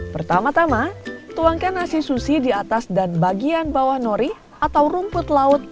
pertama tama tuangkan nasi sushi di atas dan bagian bawah nori atau rumput laut